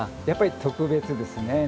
やっぱり特別ですね。